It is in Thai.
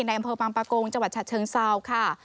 อำเภอบางปะโกงจังหวัดฉะเชิงเซาค่ะ